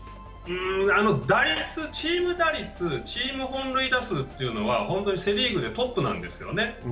チーム打率、チーム本塁打数というのは本当にセ・リーグでトップなんですよね。